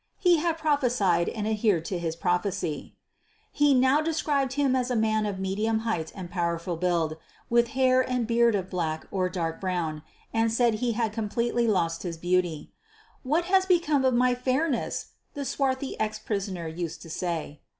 (He had prophesied and adhered to his prophecy.) He now described him as a man of medium height and powerful frame, with hair and beard of black or dark brown, and said he had completely lost his beauty. "What has become of my fairness?" the swarthy ex prisoner used to say.